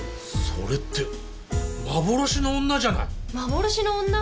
それって『幻の女』じゃない！『幻の女』？